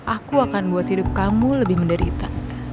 aku akan buat hidup kamu lebih menderita